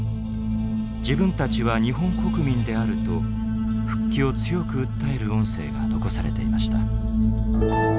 「自分たちは日本国民である」と復帰を強く訴える音声が残されていました。